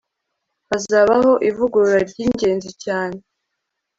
hazabaho ivugurura ryingenzi cyane